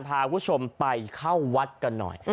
พาคุณผู้ชมไปเข้าวัดกันหน่อย